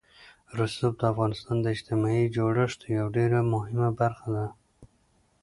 رسوب د افغانستان د اجتماعي جوړښت یوه ډېره مهمه برخه ده.